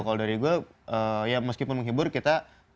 kalau dari gue ya meskipun menghibur kita